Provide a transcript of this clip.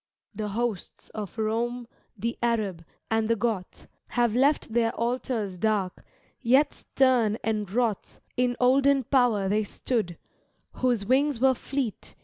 The hosts of Rome, the Arab, and the Goth Have left their altars dark, yet stem and wroth In olden power they stood, whose wings were fleet.